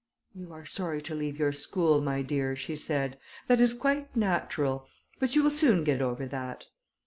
"You are sorry to leave your school, my dear," she said; "that is quite natural, but you will soon get over that."